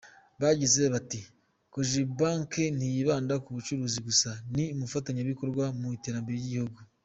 Yagize ati ″Cogebanque ntiyibanda ku bucuruzi gusa, ni n’umufatanyabikorwa mu iterambere ry’igihugu.